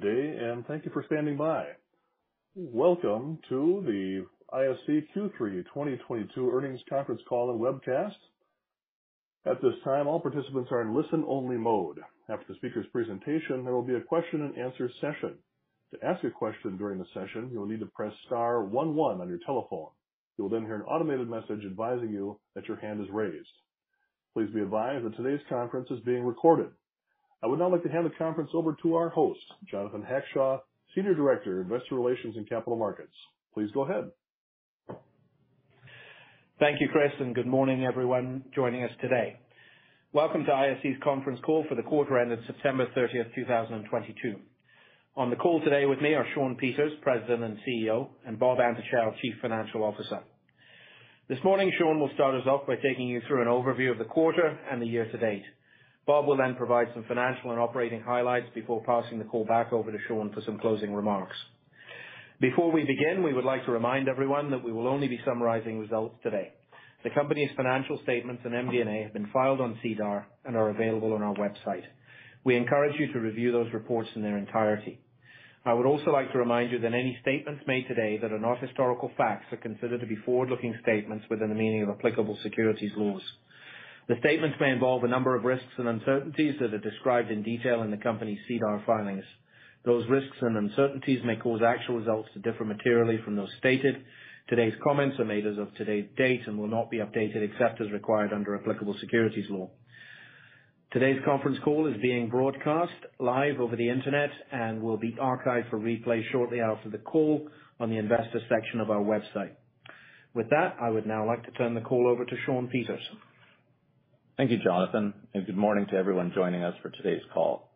Today, thank you for standing by. Welcome to the ISC Q3 2022 earnings conference call and webcast. At this time, all participants are in listen-only mode. After the speaker's presentation, there will be a question and answer session. To ask a question during the session, you will need to press star one one on your telephone. You will then hear an automated message advising you that your hand is raised. Please be advised that today's conference is being recorded. I would now like to hand the conference over to our host, Jonathan Hackshaw, Senior Director, Investor Relations and Capital Markets. Please go ahead. Thank you, Chris, and good morning everyone joining us today. Welcome to ISC's conference call for the quarter ended September 30, 2022. On the call today with me are Shawn Peters, President and CEO, and Bob Antochow, Chief Financial Officer. This morning, Shawn will start us off by taking you through an overview of the quarter and the year-to-date. Bob will then provide some financial and operating highlights before passing the call back over to Shawn for some closing remarks. Before we begin, we would like to remind everyone that we will only be summarizing results today. The company's financial statements and MD&A have been filed on SEDAR and are available on our website. We encourage you to review those reports in their entirety. I would also like to remind you that any statements made today that are not historical facts are considered to be forward-looking statements within the meaning of applicable securities laws. The statements may involve a number of risks and uncertainties that are described in detail in the company's SEDAR filings. Those risks and uncertainties may cause actual results to differ materially from those stated. Today's comments are made as of today's date and will not be updated except as required under applicable securities law. Today's conference call is being broadcast live over the Internet and will be archived for replay shortly after the call on the investor section of our website. With that, I would now like to turn the call over to Shawn Peters. Thank you, Jonathan, and good morning to everyone joining us for today's call.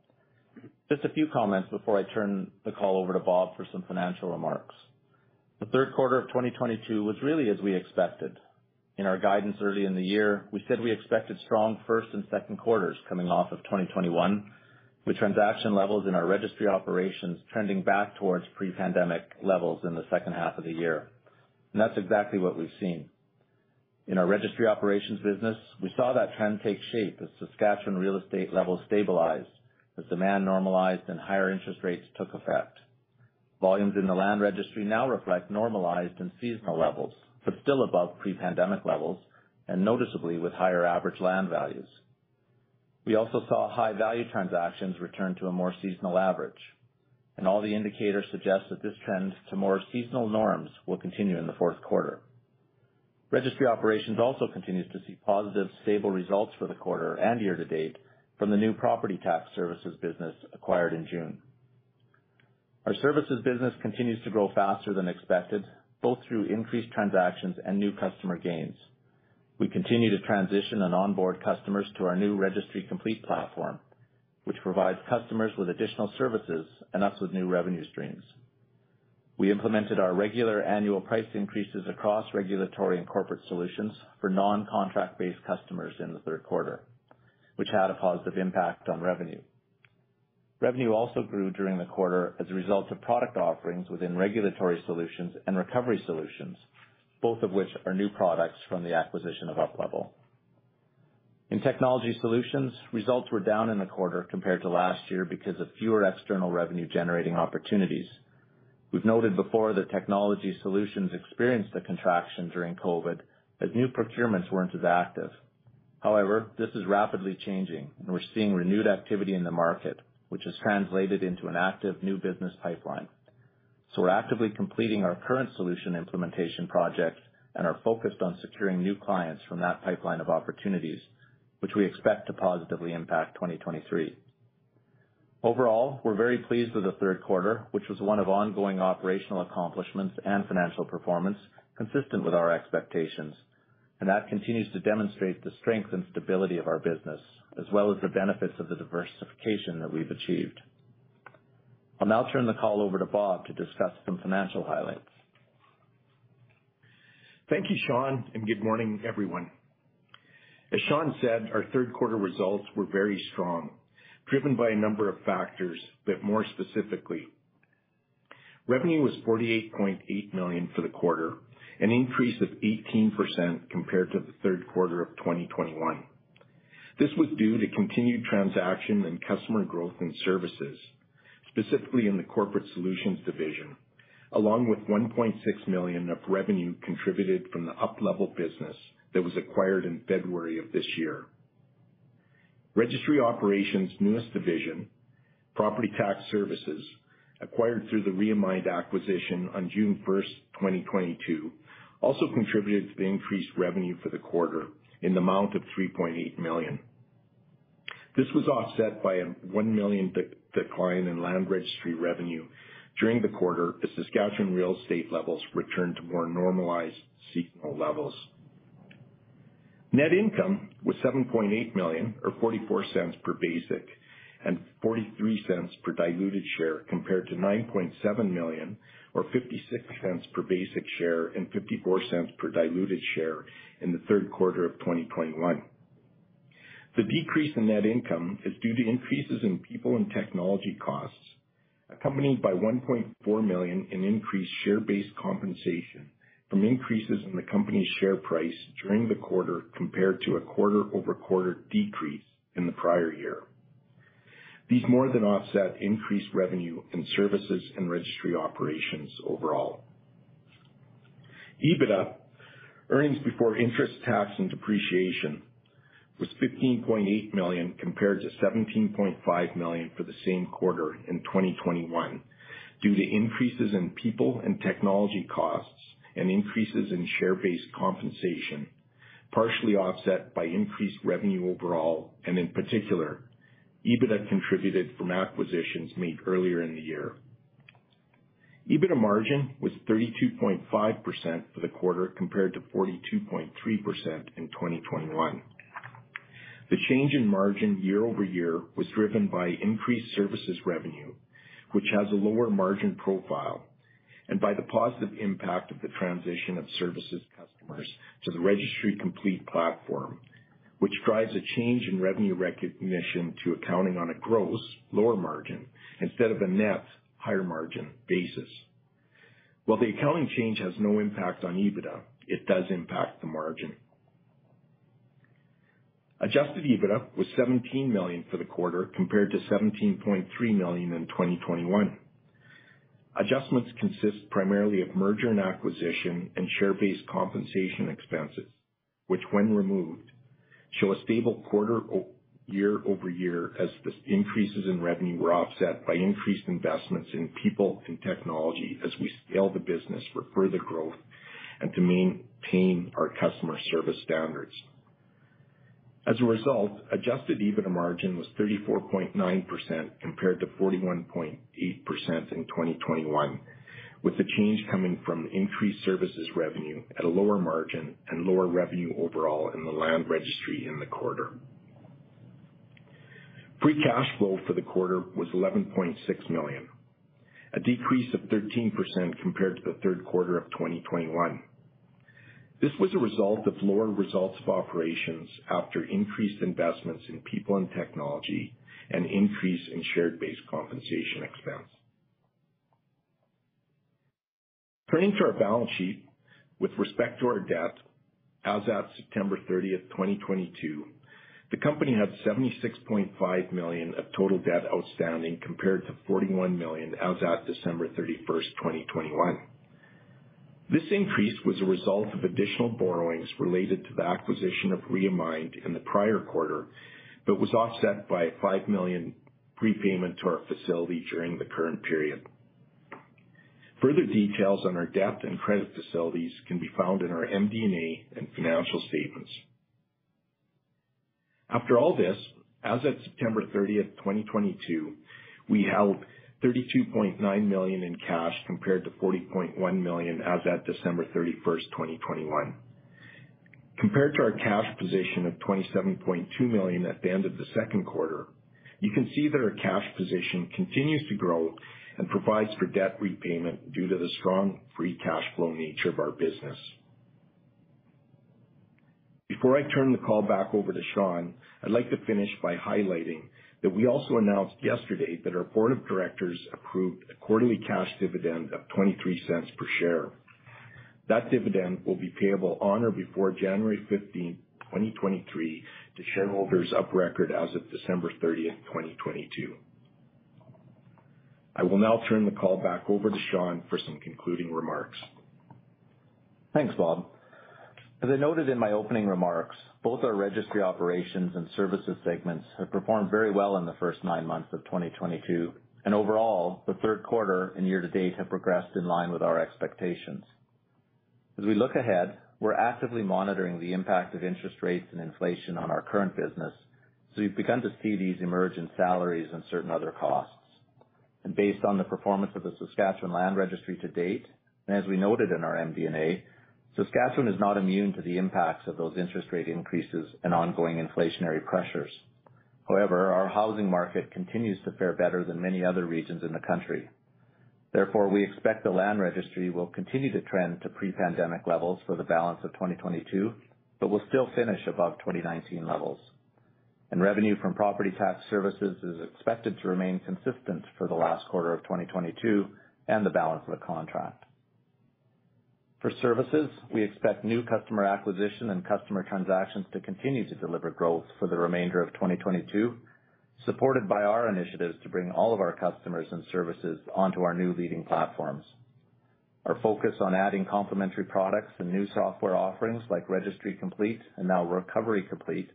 Just a few comments before I turn the call over to Bob for some financial remarks. The third quarter of 2022 was really as we expected. In our guidance early in the year, we said we expected strong first and second quarters coming off of 2021, with transaction levels in our registry operations trending back towards pre-pandemic levels in the second half of the year. That's exactly what we've seen. In our registry operations business, we saw that trend take shape as Saskatchewan real estate levels stabilized, as demand normalized and higher interest rates took effect. Volumes in the land registry now reflect normalized and seasonal levels, but still above pre-pandemic levels and noticeably with higher average land values. We also saw high-value transactions return to a more seasonal average, and all the indicators suggest that this trend to more seasonal norms will continue in the fourth quarter. Registry operations also continues to see positive, stable results for the quarter and year-to-date from the new property tax services business acquired in June. Our services business continues to grow faster than expected, both through increased transactions and new customer gains. We continue to transition and onboard customers to our new Registry Complete platform, which provides customers with additional services and us with new revenue streams. We implemented our regular annual price increases across regulatory and corporate solutions for non-contract-based customers in the third quarter, which had a positive impact on revenue. Revenue also grew during the quarter as a result of product offerings within regulatory solutions and recovery solutions, both of which are new products from the acquisition of UPLevel. In technology solutions, results were down in the quarter compared to last year because of fewer external revenue-generating opportunities. We've noted before that technology solutions experienced a contraction during COVID, as new procurements weren't as active. However, this is rapidly changing, and we're seeing renewed activity in the market, which has translated into an active new business pipeline. We're actively completing our current solution implementation project and are focused on securing new clients from that pipeline of opportunities, which we expect to positively impact 2023. Overall, we're very pleased with the third quarter, which was one of ongoing operational accomplishments and financial performance consistent with our expectations. That continues to demonstrate the strength and stability of our business, as well as the benefits of the diversification that we've achieved. I'll now turn the call over to Bob to discuss some financial highlights. Thank you, Shawn, and good morning, everyone. As Shawn said, our third quarter results were very strong, driven by a number of factors, but more specifically, revenue was 48.8 million for the quarter, an increase of 18% compared to the third quarter of 2021. This was due to continued transaction and customer growth in services, specifically in the corporate solutions division, along with 1.6 million of revenue contributed from the UPLevel business that was acquired in February of this year. Registry Operations' newest division, Property Tax Services, acquired through the Reamined acquisition on June 1, 2022, also contributed to the increased revenue for the quarter in the amount of 3.8 million. This was offset by a 1 million decline in land registry revenue during the quarter as Saskatchewan real estate levels returned to more normalized seasonal levels. Net income was CAD 7.8 million or 0.44 per basic and 0.43 per diluted share, compared to CAD 9.7 million or 0.56 per basic share and 0.54 per diluted share in the third quarter of 2021. The decrease in net income is due to increases in people and technology costs, accompanied by 1.4 million in increased share-based compensation from increases in the company's share price during the quarter compared to a quarter-over-quarter decrease in the prior year. These more than offset increased revenue in services and registry operations overall. EBITDA, earnings before interest, tax, and depreciation, was 15.8 million compared to 17.5 million for the same quarter in 2021 due to increases in people and technology costs and increases in share-based compensation, partially offset by increased revenue overall, and in particular, EBITDA contributed from acquisitions made earlier in the year. EBITDA margin was 32.5% for the quarter compared to 42.3% in 2021. The change in margin year over year was driven by increased services revenue, which has a lower margin profile, and by the positive impact of the transition of services customers to the Registry Complete platform, which drives a change in revenue recognition to accounting on a gross lower margin instead of a net higher margin basis. While the accounting change has no impact on EBITDA, it does impact the margin. Adjusted EBITDA was CAD 17 million for the quarter compared to CAD 17.3 million in 2021. Adjustments consist primarily of merger and acquisition and share-based compensation expenses, which, when removed, show a stable year-over-year as the increases in revenue were offset by increased investments in people and technology as we scale the business for further growth and to maintain our customer service standards. As a result, adjusted EBITDA margin was 34.9% compared to 41.8% in 2021, with the change coming from increased services revenue at a lower margin and lower revenue overall in the Land Registry in the quarter. Free cash flow for the quarter was 11.6 million, a decrease of 13% compared to the third quarter of 2021. This was a result of lower results of operations after increased investments in people and technology and increase in share-based compensation expense. Turning to our balance sheet. With respect to our debt, as at September 30, 2022, the company had CAD 76.5 million of total debt outstanding compared to CAD 41 million as at December 31, 2021. This increase was a result of additional borrowings related to the acquisition of Reamined in the prior quarter, but was offset by a 5 million prepayment to our facility during the current period. Further details on our debt and credit facilities can be found in our MD&A and financial statements. After all this, as at September 30, 2022, we held 32.9 million in cash compared to 40.1 million as at December 31, 2021. Compared to our cash position of 27.2 million at the end of the second quarter, you can see that our cash position continues to grow and provides for debt repayment due to the strong free cash flow nature of our business. Before I turn the call back over to Shawn, I'd like to finish by highlighting that we also announced yesterday that our board of directors approved a quarterly cash dividend of 0.23 per share. That dividend will be payable on or before January 15th, 2023 to shareholders of record as of December 30th, 2022. I will now turn the call back over to Shawn for some concluding remarks. Thanks, Bob. As I noted in my opening remarks, both our registry operations and services segments have performed very well in the first nine months of 2022, and overall, the third quarter and year-to-date have progressed in line with our expectations. As we look ahead, we're actively monitoring the impact of interest rates and inflation on our current business. We've begun to see these emerge in salaries and certain other costs. Based on the performance of the Saskatchewan Land Registry to date, and as we noted in our MD&A, Saskatchewan is not immune to the impacts of those interest rate increases and ongoing inflationary pressures. However, our housing market continues to fare better than many other regions in the country. Therefore, we expect the Land Registry will continue to trend to pre-pandemic levels for the balance of 2022, but will still finish above 2019 levels. Revenue from property tax services is expected to remain consistent for the last quarter of 2022 and the balance of the contract. For services, we expect new customer acquisition and customer transactions to continue to deliver growth for the remainder of 2022, supported by our initiatives to bring all of our customers and services onto our new leading platforms. Our focus on adding complementary products and new software offerings like Registry Complete and now Recovery Complete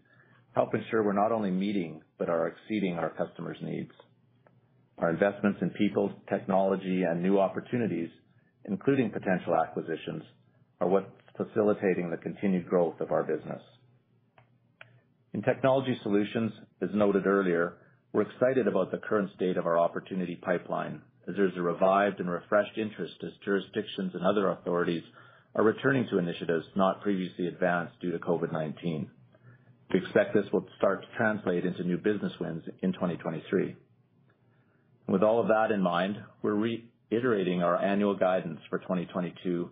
help ensure we're not only meeting but are exceeding our customers' needs. Our investments in people, technology, and new opportunities, including potential acquisitions, are what's facilitating the continued growth of our business. In technology solutions, as noted earlier, we're excited about the current state of our opportunity pipeline as there's a revived and refreshed interest as jurisdictions and other authorities are returning to initiatives not previously advanced due to COVID-19. We expect this will start to translate into new business wins in 2023. With all of that in mind, we're reiterating our annual guidance for 2022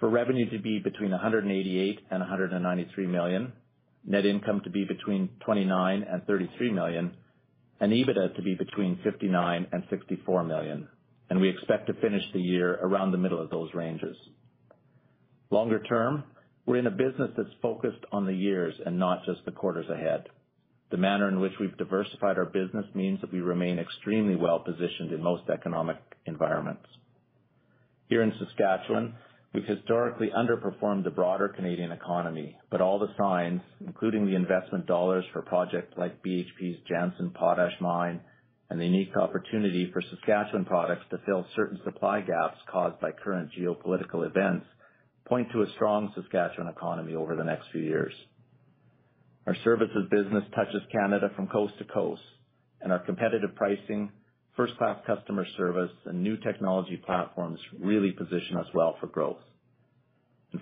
for revenue to be between 188 million and 193 million, net income to be between 29 million and 33 million. EBITDA to be between 59 million and 64 million, and we expect to finish the year around the middle of those ranges. Longer term, we're in a business that's focused on the years and not just the quarters ahead. The manner in which we've diversified our business means that we remain extremely well-positioned in most economic environments. Here in Saskatchewan, we've historically underperformed the broader Canadian economy, but all the signs, including the investment dollars for projects like BHP's Jansen Potash Mine and the unique opportunity for Saskatchewan producers to fill certain supply gaps caused by current geopolitical events, point to a strong Saskatchewan economy over the next few years. Our services business touches Canada from coast to coast, and our competitive pricing, first-class customer service, and new technology platforms really position us well for growth.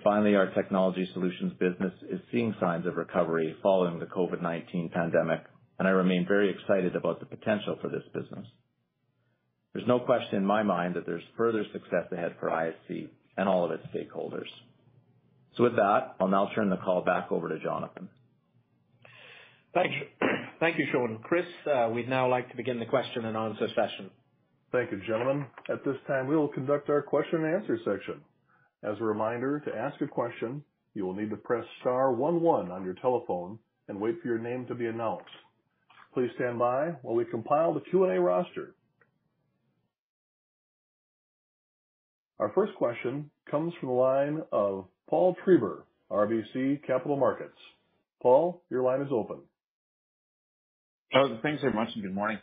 Finally, our technology solutions business is seeing signs of recovery following the COVID-19 pandemic, and I remain very excited about the potential for this business. There's no question in my mind that there's further success ahead for ISC and all of its stakeholders. With that, I'll now turn the call back over to Jonathan. Thank you. Thank you, Shawn. Chris, we'd now like to begin the question and answer session. Thank you, gentlemen. At this time, we will conduct our question and answer section. As a reminder, to ask a question, you will need to press star one one on your telephone and wait for your name to be announced. Please stand by while we compile the Q&A roster. Our first question comes from the line of Paul Treiber, RBC Capital Markets. Paul, your line is open. Oh, thanks very much, and good morning.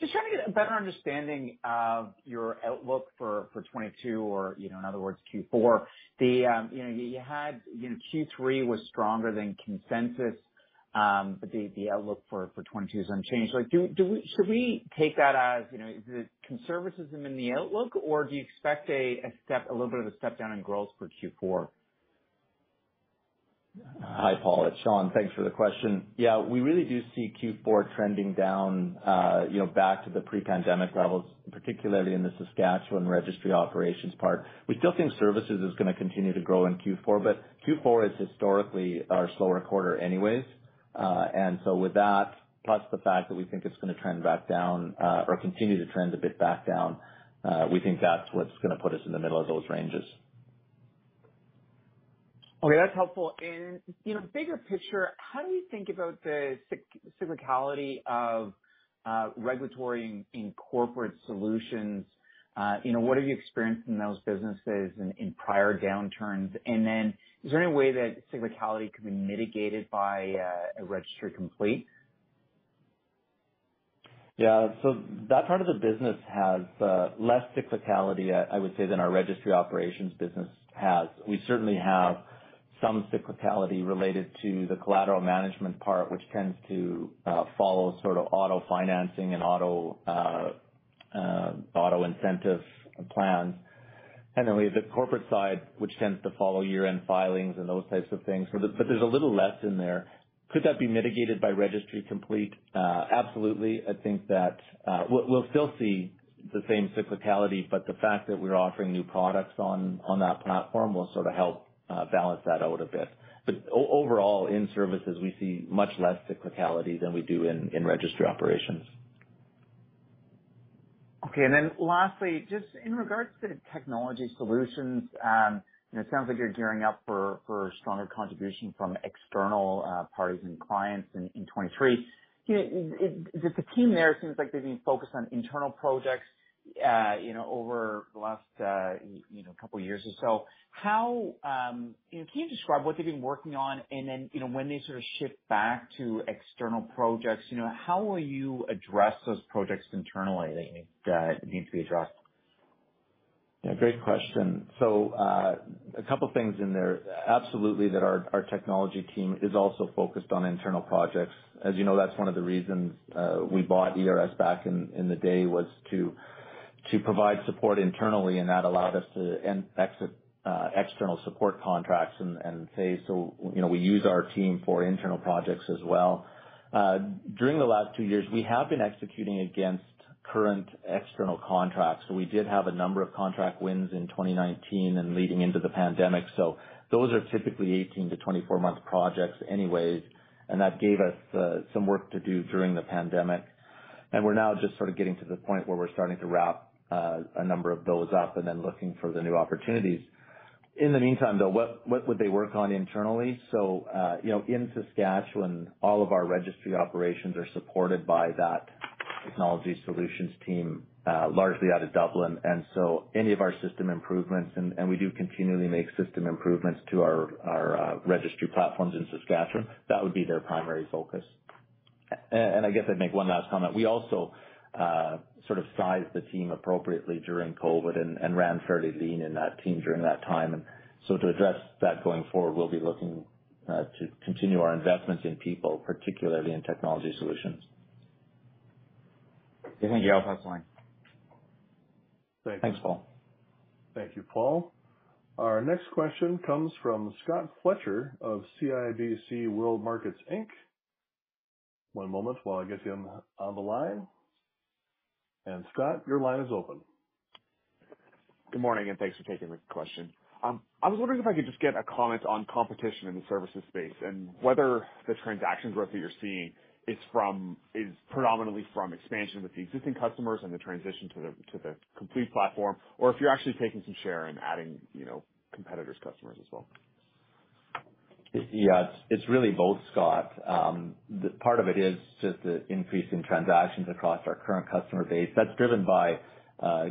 Just trying to get a better understanding of your outlook for 2022 or, you know, in other words, Q4. You know, Q3 was stronger than consensus, but the outlook for 2022 is unchanged. Like, should we take that as, you know, is it conservatism in the outlook, or do you expect a little bit of a step down in growth for Q4? Hi, Paul, it's Shawn. Thanks for the question. Yeah, we really do see Q4 trending down, you know, back to the pre-pandemic levels, particularly in the Saskatchewan registry operations part. We still think services is gonna continue to grow in Q4, but Q4 is historically our slower quarter anyways. With that, plus the fact that we think it's gonna trend back down, or continue to trend a bit back down, we think that's what's gonna put us in the middle of those ranges. Okay, that's helpful. You know, bigger picture, how do you think about the cyclicality of regulatory and corporate solutions? You know, what have you experienced in those businesses in prior downturns? Then is there any way that cyclicality can be mitigated by a Registry Complete? Yeah. That part of the business has less cyclicality, I would say, than our registry operations business has. We certainly have some cyclicality related to the collateral management part, which tends to follow sort of auto financing and auto incentive plans. Then we have the corporate side, which tends to follow year-end filings and those types of things. There's a little less in there. Could that be mitigated by Registry Complete? Absolutely. I think that we'll still see the same cyclicality, but the fact that we're offering new products on that platform will sort of help balance that out a bit. Overall, in services, we see much less cyclicality than we do in registry operations. Okay. Lastly, just in regards to the technology solutions, you know, it sounds like you're gearing up for stronger contribution from external parties and clients in 2023. You know, the team there seems like they've been focused on internal projects, you know, over the last couple years or so. You know, can you describe what they've been working on? Then, you know, when they sort of shift back to external projects, you know, how will you address those projects internally that need to be addressed? Yeah, great question. A couple things in there. Absolutely, our technology team is also focused on internal projects. As you know, that's one of the reasons we bought ERS back in the day, was to provide support internally and that allowed us to end external support contracts and so, you know, we use our team for internal projects as well. During the last two years, we have been executing against current external contracts. We did have a number of contract wins in 2019 and leading into the pandemic, so those are typically 18-24-month projects anyways, and that gave us some work to do during the pandemic. We're now just sort of getting to the point where we're starting to wrap a number of those up and then looking for the new opportunities. In the meantime, though, what would they work on internally? You know, in Saskatchewan, all of our registry operations are supported by that technology solutions team largely out of Dublin, and so any of our system improvements and we do continually make system improvements to our registry platforms in Saskatchewan. That would be their primary focus. I guess I'd make one last comment. We also sort of sized the team appropriately during COVID and ran fairly lean in that team during that time. To address that going forward, we'll be looking to continue our investments in people, particularly in technology solutions. Okay. Thank you. I'll pass the line. Thanks, Paul. Thank you, Paul. Our next question comes from Scott Fletcher of CIBC World Markets Inc, One moment while I get you on the line. Scott, your line is open. Good morning, and thanks for taking the question. I was wondering if I could just get a comment on competition in the services space and whether the transaction growth that you're seeing is predominantly from expansion with the existing customers and the transition to the complete platform, or if you're actually taking some share and adding, you know, competitors' customers as well. Yeah. It's really both, Scott. The part of it is just the increase in transactions across our current customer base. That's driven by a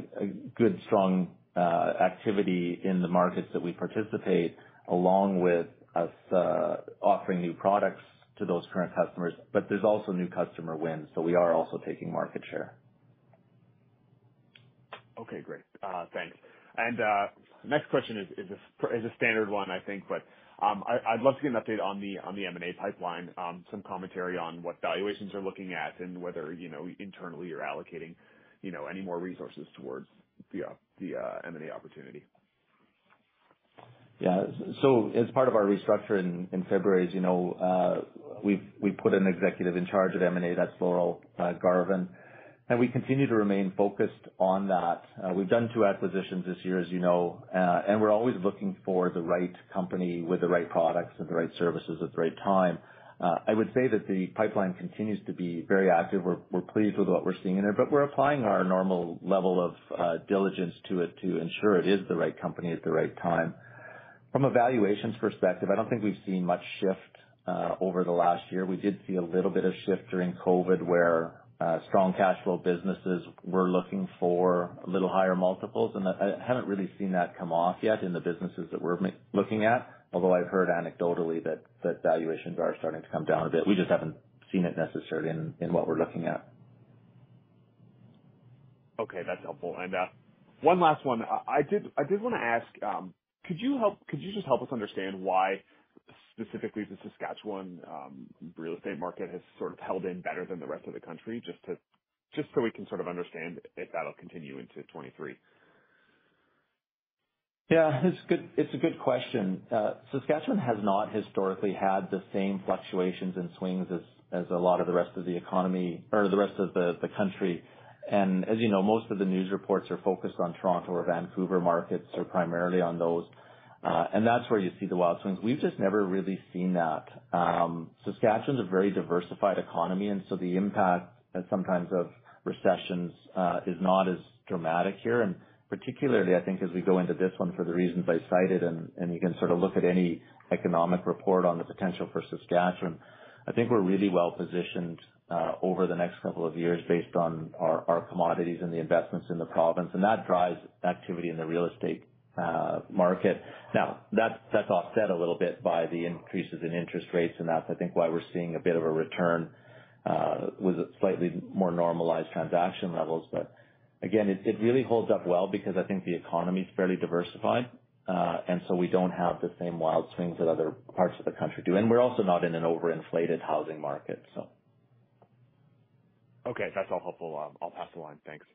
good strong activity in the markets that we participate, along with us offering new products to those current customers. There's also new customer wins, so we are also taking market share. Okay. Great. Thanks. Next question is a standard one, I think, but I'd love to get an update on the M&A pipeline, some commentary on what valuations are looking at and whether, you know, internally you're allocating, you know, any more resources towards the M&A opportunity. Yeah. As part of our restructure in February, as you know, we put an executive in charge of M&A, that's Laurel Garven. We continue to remain focused on that. We've done two acquisitions this year, as you know, and we're always looking for the right company with the right products and the right services at the right time. I would say that the pipeline continues to be very active. We're pleased with what we're seeing in it. We're applying our normal level of diligence to it to ensure it is the right company at the right time. From a valuations perspective, I don't think we've seen much shift over the last year. We did see a little bit of shift during COVID, where strong cash flow businesses were looking for a little higher multiples, and that, I haven't really seen that come off yet in the businesses that we're looking at, although I've heard anecdotally that valuations are starting to come down a bit. We just haven't seen it necessarily in what we're looking at. Okay, that's helpful. One last one. I did wanna ask, could you just help us understand why specifically the Saskatchewan real estate market has sort of held in better than the rest of the country, just to, just so we can sort of understand if that'll continue into 2023. Yeah. It's a good question. Saskatchewan has not historically had the same fluctuations and swings as a lot of the rest of the economy or the rest of the country. As you know, most of the news reports are focused on Toronto or Vancouver markets or primarily on those. That's where you see the wild swings. We've just never really seen that. Saskatchewan's a very diversified economy, and so the impact sometimes of recessions is not as dramatic here. Particularly, I think as we go into this one for the reasons I cited and you can sort of look at any economic report on the potential for Saskatchewan, I think we're really well positioned over the next couple of years based on our commodities and the investments in the province, and that drives activity in the real estate market. Now, that's offset a little bit by the increases in interest rates, and that's, I think, why we're seeing a bit of a return with slightly more normalized transaction levels. Again, it really holds up well because I think the economy's fairly diversified. We don't have the same wild swings that other parts of the country do. We're also not in an overinflated housing market, so. Okay. That's all helpful. I'll pass the line. Thanks.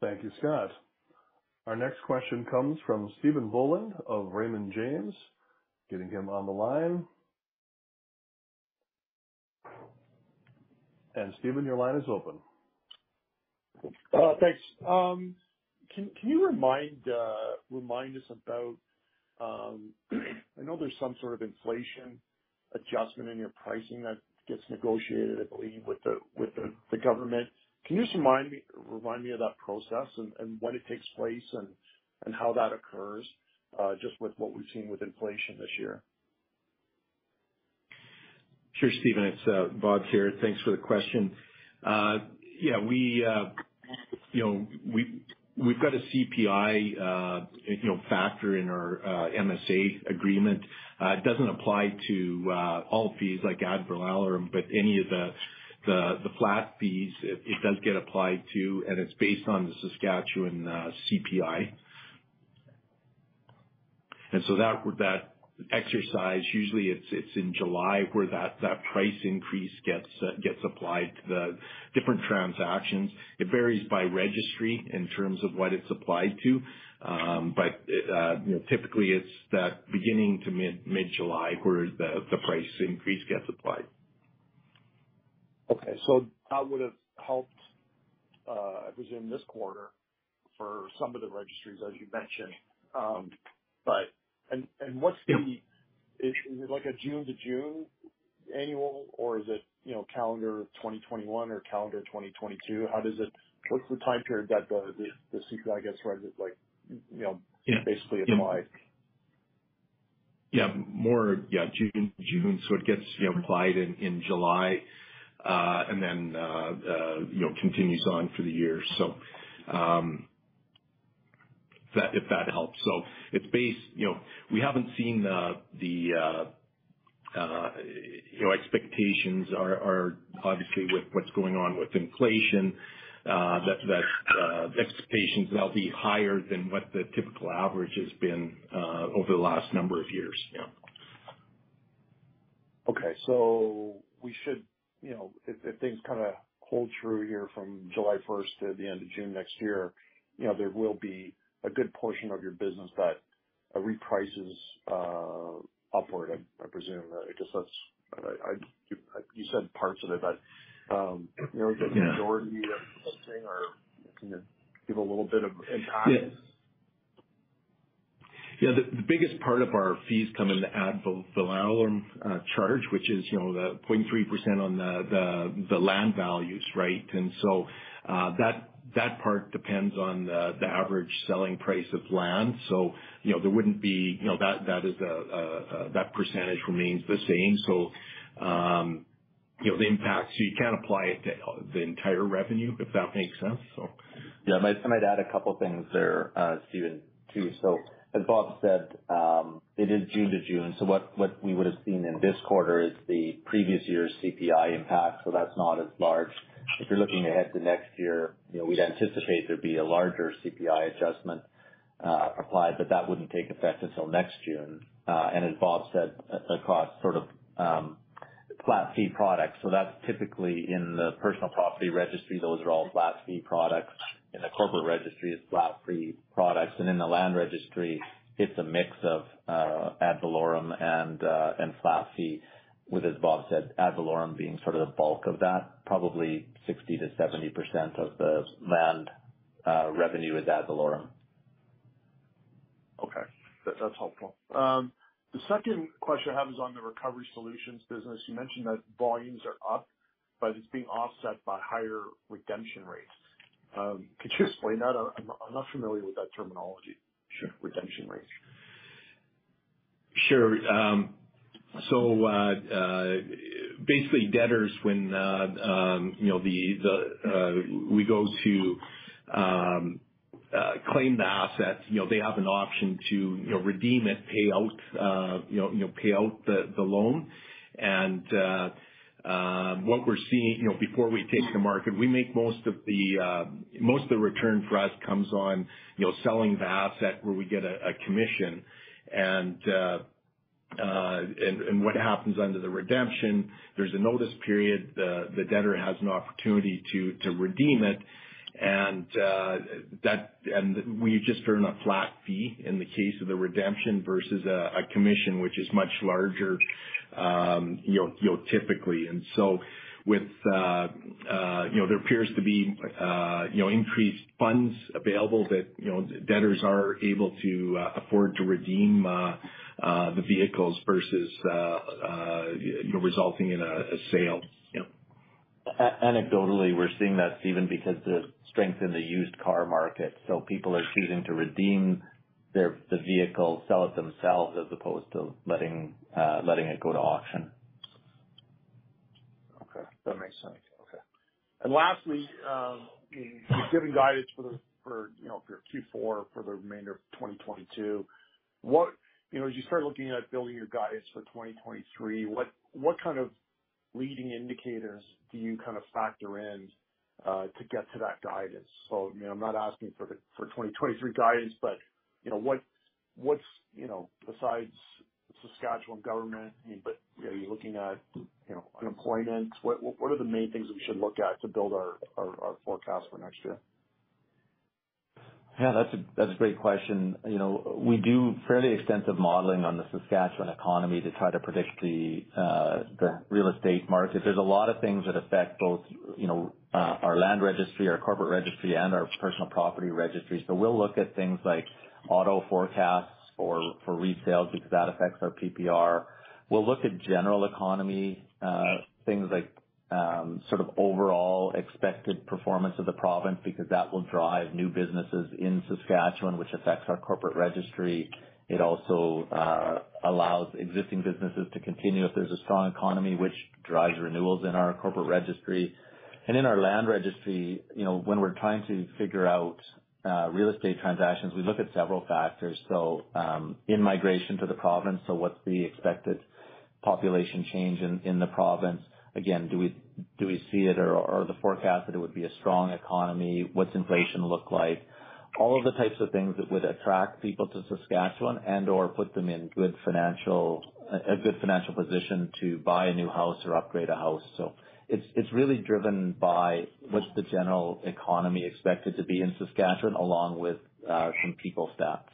Thank you, Scott. Our next question comes from Stephen Boland of Raymond James. Getting him on the line. Stephen, your line is open. Thanks. Can you remind us about, I know there's some sort of inflation adjustment in your pricing that gets negotiated, I believe, with the government. Can you just remind me of that process and when it takes place and how that occurs, just with what we've seen with inflation this year? Sure, Stephen. It's Bob here. Thanks for the question. Yeah, you know, we've got a CPI you know factor in our MSA agreement. It doesn't apply to all fees like ad valorem, but any of the flat fees it does get applied to, and it's based on the Saskatchewan CPI. That exercise usually it's in July where that price increase gets applied to the different transactions. It varies by registry in terms of what it's applied to. You know, typically it's that beginning to mid-July where the price increase gets applied. Okay. That would've helped, I presume this quarter for some of the registries as you mentioned. What's the... Is it like a June to June annual or is it, you know, calendar 2021 or calendar 2022? What's the time period that the CPI gets raised? It like, you know. Yeah. Basically applied. Yeah. More yeah, June to June. It gets, you know, applied in July, and then, you know, continues on through the year. If that helps. It's based, you know, we haven't seen the expectations are obviously with what's going on with inflation, that expectations will be higher than what the typical average has been over the last number of years. Yeah. Okay. We should, you know, if things kinda hold true here from July first to the end of June next year, you know, there will be a good portion of your business that reprices upward, I presume. I guess that's. You said parts of it, but, you know- Yeah. Is it the majority that's adjusting or can you give a little bit of impact? Yes. Yeah, the biggest part of our fees come in the ad valorem charge, which is, you know, the 0.3% on the land values, right? That part depends on the average selling price of land. You know, that percentage remains the same. You know, the impact, so you can't apply it to the entire revenue, if that makes sense, so. Yeah, I might add a couple things there, Stephen, too. As Bob said, it is June to June, so what we would have seen in this quarter is the previous year's CPI impact, so that's not as large. If you're looking ahead to next year, you know, we'd anticipate there'd be a larger CPI adjustment applied, but that wouldn't take effect until next June. As Bob said, a cost sort of flat fee product. That's typically in the personal property registry. Those are all flat fee products. In the corporate registry, it's flat fee products. In the land registry, it's a mix of ad valorem and flat fee with, as Bob said, ad valorem being sort of the bulk of that. Probably 60%-70% of the land revenue is ad valorem. Okay. That's helpful. The second question I have is on the recovery solutions business. You mentioned that volumes are up, but it's being offset by higher redemption rates. Could you explain that? I'm not familiar with that terminology. Sure. Redemption rates. Sure. Basically, when we go to claim the asset, you know, they have an option to redeem it, pay out the loan. What we're seeing, you know, before we take it to market, most of the return for us comes on selling the asset, where we get a commission. What happens under the redemption, there's a notice period. The debtor has an opportunity to redeem it. We just earn a flat fee in the case of the redemption versus a commission, which is much larger, typically. With you know there appears to be you know increased funds available that you know debtors are able to afford to redeem the vehicles versus you know resulting in a sale you know. Anecdotally, we're seeing that, Stephen, because the strength in the used car market, so people are choosing to redeem the vehicle, sell it themselves, as opposed to letting it go to auction. Okay. That makes sense. Okay. Lastly, you've given guidance for Q4, for the remainder of 2022. You know, as you start looking at building your guidance for 2023, what kind of leading indicators do you kind of factor in to get to that guidance? You know, I'm not asking for 2023 guidance, but you know, besides Saskatchewan government, I mean, but are you looking at you know, unemployment? What are the main things we should look at to build our forecast for next year? Yeah, that's a great question. You know, we do fairly extensive modeling on the Saskatchewan economy to try to predict the real estate market. There's a lot of things that affect both, you know, our land registry, our corporate registry, and our personal property registry. So we'll look at things like auto forecasts or for resales because that affects our PPR. We'll look at general economy things like sort of overall expected performance of the province because that will drive new businesses in Saskatchewan, which affects our corporate registry. It also allows existing businesses to continue if there's a strong economy, which drives renewals in our corporate registry. In our land registry, you know, when we're trying to figure out real estate transactions, we look at several factors. In migration to the province. What's the expected population change in the province? Again, do we see it or the forecast that it would be a strong economy? What's inflation look like? All of the types of things that would attract people to Saskatchewan and/or put them in good financial position to buy a new house or upgrade a house. It's really driven by what's the general economy expected to be in Saskatchewan, along with some people stats.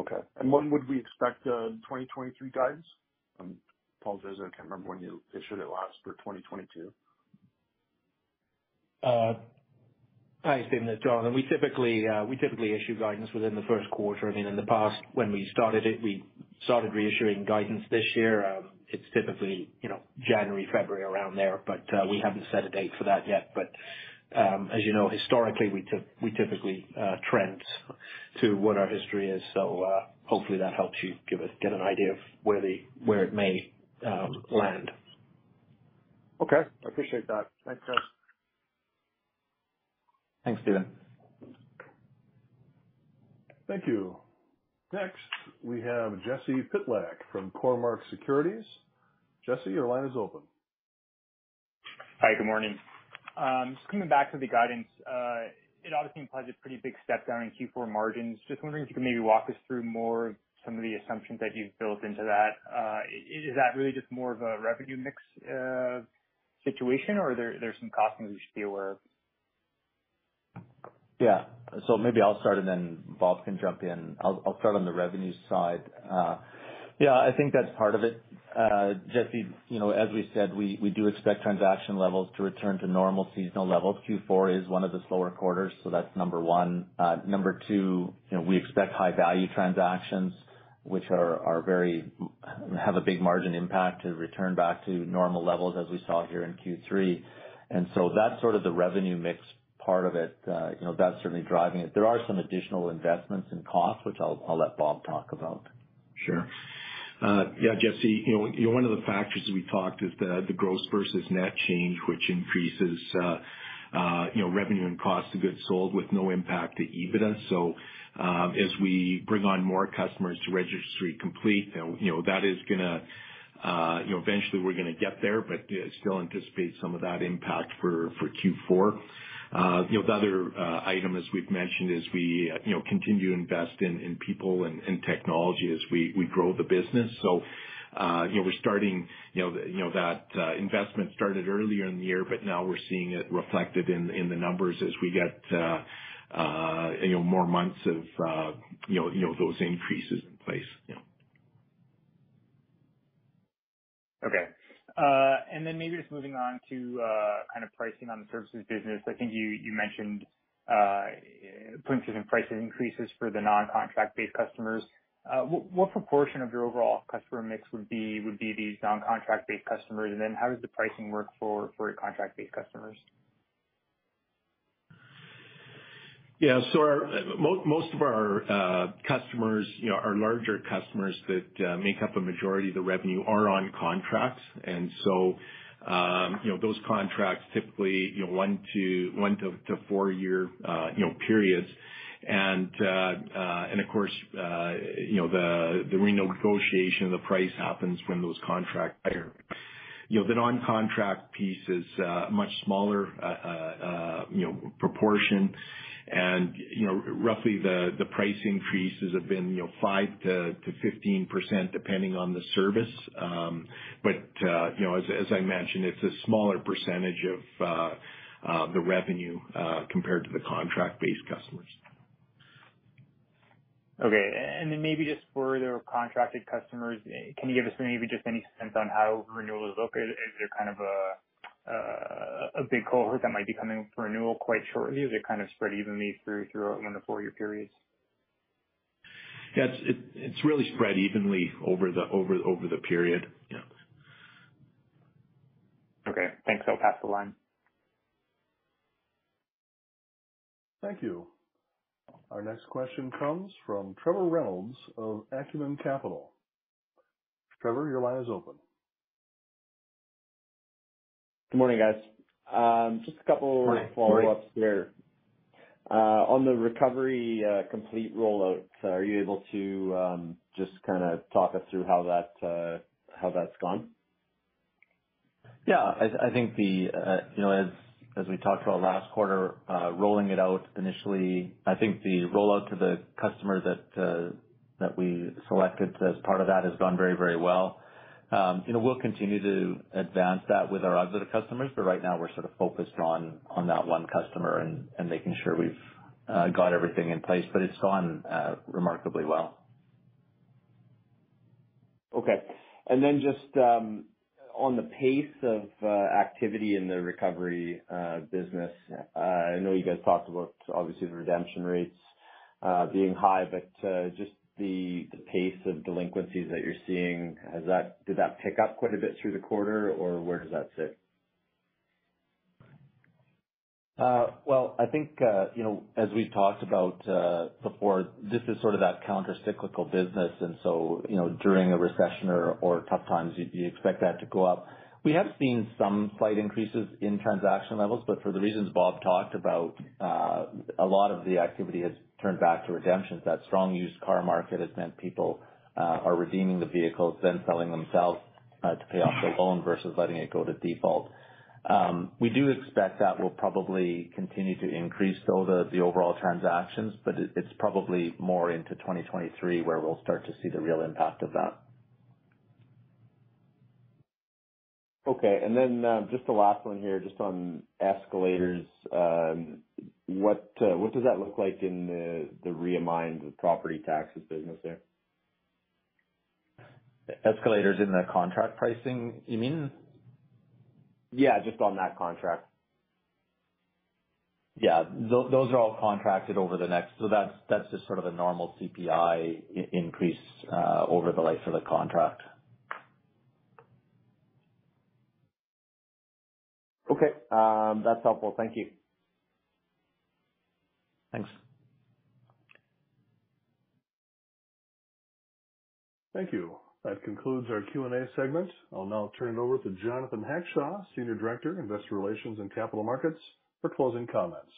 Okay. When would we expect a 2023 guidance? I apologize. I can't remember when you issued it last for 2022. I assume that, John, we typically issue guidance within the first quarter. I mean, in the past, when we started it, we started reissuing guidance this year. It's typically, you know, January, February, around there, but we haven't set a date for that yet. As you know, historically, we typically trend to what our history is. Hopefully, that helps you get an idea of where it may land. Okay. I appreciate that. Thanks, guys. Thanks, Stephen. Thank you. Next, we have Jesse Pytlak from Cormark Securities. Jesse, your line is open. Hi, good morning. Just coming back to the guidance, it obviously implies a pretty big step down in Q4 margins. Just wondering if you can maybe walk us through more of some of the assumptions that you've built into that. Is that really just more of a revenue mix situation or is there some costs we should be aware of? Yeah. Maybe I'll start and then Bob can jump in. I'll start on the revenue side. Yeah, I think that's part of it. Jesse, you know, as we said, we do expect transaction levels to return to normal seasonal levels. Q4 is one of the slower quarters, so that's number one. Number two, you know, we expect high value transactions, which are very have a big margin impact to return back to normal levels as we saw here in Q3. That's sort of the revenue mix part of it. You know, that's certainly driving it. There are some additional investments in costs, which I'll let Bob talk about. Sure. Yeah, Jesse, you know, one of the factors we talked is the gross versus net change, which increases, you know, revenue and cost of goods sold with no impact to EBITDA. As we bring on more customers to Registry Complete, you know, that is gonna, you know, eventually we're gonna get there, but still anticipate some of that impact for Q4. You know, the other item as we've mentioned is we continue to invest in people and technology as we grow the business. You know, we're starting, you know, that investment started earlier in the year, but now we're seeing it reflected in the numbers as we get, you know, more months of, you know, those increases in place. Yeah. Okay. Maybe just moving on to kind of pricing on the services business. I think you mentioned increases in pricing for the non-contract based customers. What proportion of your overall customer mix would be these non-contract based customers? How does the pricing work for your contract-based customers? Yeah. Most of our customers, you know, our larger customers that make up a majority of the revenue are on contracts. Those contracts typically, you know, one-four-year periods. Of course, you know, the renegotiation of the price happens when those contracts are. You know, the non-contract piece is much smaller proportion. Roughly the price increases have been, you know, 5%-15%, depending on the service. You know, as I mentioned, it's a smaller percentage of the revenue compared to the contract-based customers. Okay. And then maybe just for your contracted customers, can you give us maybe just any sense on how renewal is looking? Is there kind of a big cohort that might be coming for renewal quite shortly? Is it kind of spread evenly through one to four-year periods? Yeah. It's really spread evenly over the period. Yeah. Okay. Thanks. I'll pass the line. Thank you. Our next question comes from Trevor Reynolds of Acumen Capital. Trevor, your line is open. Good morning, guys. Just a couple Morning. Morning. Follow-ups there. On the Recovery Complete rollout, are you able to just kinda talk us through how that's gone? Yeah. I think you know, as we talked about last quarter, rolling it out initially, I think the rollout to the customer that we selected as part of that has gone very, very well. You know, we'll continue to advance that with our other customers, but right now we're sort of focused on that one customer and making sure we've got everything in place. It's gone remarkably well. Okay. Just on the pace of activity in the recovery business, I know you guys talked about obviously the redemption rates being high, but just the pace of delinquencies that you're seeing, did that pick up quite a bit through the quarter or where does that sit? Well, I think, you know, as we've talked about before, this is sort of that counter-cyclical business. You know, during a recession or tough times, you'd expect that to go up. We have seen some slight increases in transaction levels, but for the reasons Bob talked about, a lot of the activity has turned back to redemptions. That strong used car market has meant people are redeeming the vehicles then selling themselves to pay off the loan versus letting it go to default. We do expect that will probably continue to increase though the overall transactions, but it's probably more into 2023 where we'll start to see the real impact of that. Okay. Just the last one here, just on escalators, what does that look like in the Reamined property taxes business there? Escalators in the contract pricing, you mean? Yeah, just on that contract. Yeah. Those are all contracted over the next. That's just sort of a normal CPI increase over the life of the contract. Okay. That's helpful. Thank you. Thanks. Thank you. That concludes our Q&A segment. I'll now turn it over to Jonathan Hackshaw, Senior Director, Investor Relations and Capital Markets, for closing comments.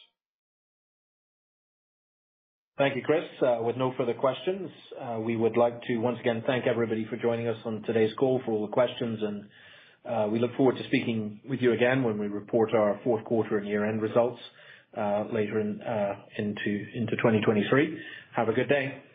Thank you, Chris. With no further questions, we would like to once again thank everybody for joining us on today's call for all the questions, and we look forward to speaking with you again when we report our fourth quarter and year-end results later in 2023. Have a good day.